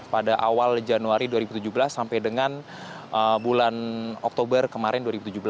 pada awal januari dua ribu tujuh belas sampai dengan bulan oktober kemarin dua ribu tujuh belas